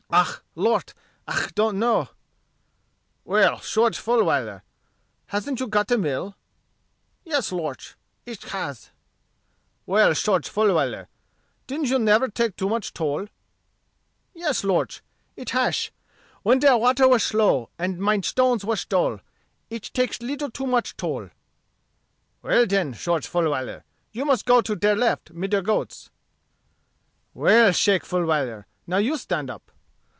"Ah! Lort, ich does not know." "Well, Shorge Fulwiler, hasn't you got a mill?" "Yes, Lort, ich hash." "Well, Shorge Fulwiler, didn't you never take too much toll?" "Yes, Lort, ich hash; when der water wash low, and mein stones wash dull, ich take leetle too much toll." "Well, den, Shorge Fulwiler, you must go to der left mid der goats." "Well, Shake Fulwiler, now you stand up.